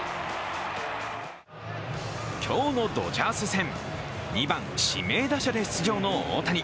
今日のドジャース戦、２番・指名打者で出場の大谷。